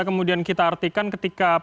kemudian kita artikan ketika